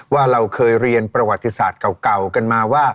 ว่าเราเคยเรียนประวัติศาสตร์เก่ากันมาว่า